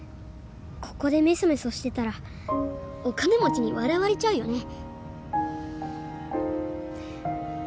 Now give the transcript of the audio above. ここでめそめそしてたらお金持ちに笑われちゃうよね。